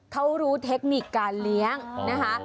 เขารู้เทคนิคการเลี้ยงนะคะ